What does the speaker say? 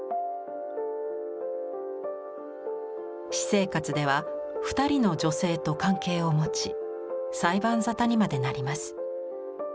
私生活では２人の女性と関係を持ち裁判沙汰にまでなります。